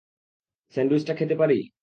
স্যান্ডউইচটা খেতে পারি?